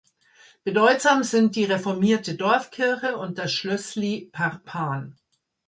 Bedeutsam sind die reformierte Dorfkirche und das Schlössli Parpan.